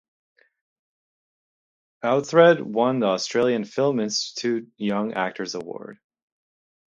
Outhred won the Australian Film Institute Young Actors Award.